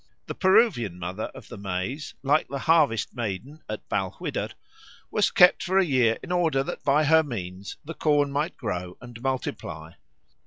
The Peruvian Mother of the Maize, like the harvest Maiden at Balquhidder, was kept for a year in order that by her means the corn might grow and multiply.